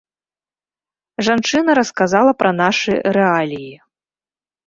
Жанчына расказала пра нашы рэаліі.